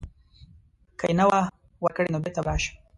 که یې نه وه ورکړې نو بیرته به راشم.